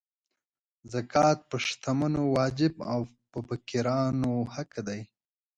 زکات په شتمنو واجب او په فقیرانو حق دی.